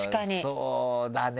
そうだね